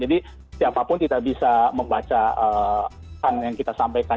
jadi siapapun tidak bisa membaca yang kita sampaikan